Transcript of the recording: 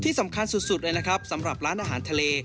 ที่สำคัญสุดเลยนะครับสำหรับร้านอาหารทะเล